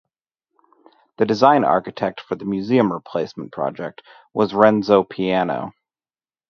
The design architect for the museum replacement project was Renzo Piano.